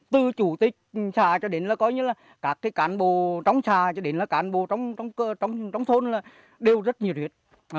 từ chủ tịch xã cho đến là có nghĩa là các cái cán bộ trong xã cho đến là cán bộ trong thôn là đều rất nhiều tuyệt